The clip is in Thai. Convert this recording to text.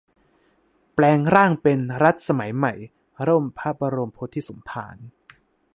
แปลงร่างเป็น รัฐสมัยใหม่ - ร่มพระบรมโพธิสมภาร